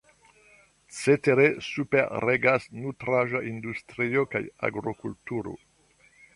Cetere superregas nutraĵa industrio kaj agrokulturo.